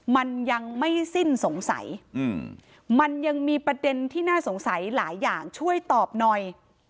มันยังมีประเด็นที่น่าสงสัยหลายอย่างช่วยตอบหน่อย